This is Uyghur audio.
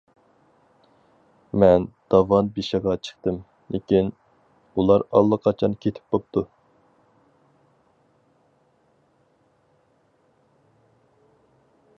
مەن داۋان بېشىغا چىقتىم، لېكىن ئۇلار ئاللىقاچان كېتىپ بوپتۇ.